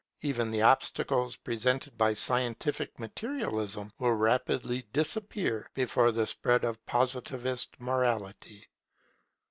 Even the obstacles presented by scientific materialism will rapidly disappear before the spread of Positivist morality.